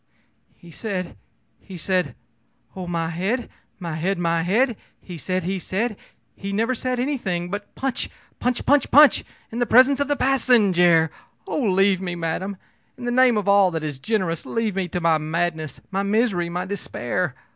ō'He said he said oh, my head, my head, my head! He said he said he never said anything but Punch, punch, punch in the presence of the passenjare! Oh, leave me, madam! In the name of all that is generous, leave me to my madness, my misery, my despair!